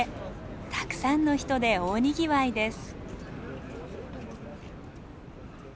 たくさんの人で大にぎわいです。